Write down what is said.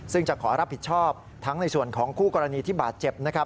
ซึ่งจะขอรับผิดชอบทั้งในส่วนของคู่กรณีที่บาดเจ็บนะครับ